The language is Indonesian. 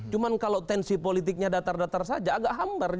cuma kalau tensi politiknya datar datar saja agak hambar